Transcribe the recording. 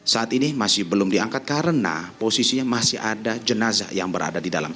saat ini masih belum diangkat karena posisinya masih ada jenazah yang berada di dalam